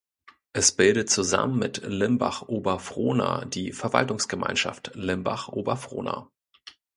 Es bildet zusammen mit Limbach-Oberfrohna die Verwaltungsgemeinschaft Limbach-Oberfrohna.